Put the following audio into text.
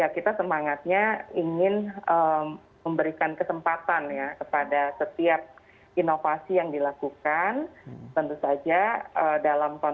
kita semangatnya ingin memberikan kesempatan kepada setiap inovator